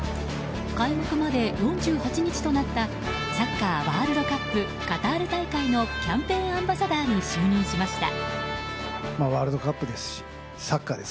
開幕まで４８日となったサッカーワールドカップカタール大会のキャンペーンアンバサダーに就任しました。